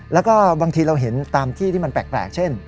แล้วก็บางทีเราเห็นตามที่ที่มันแปลกเช่น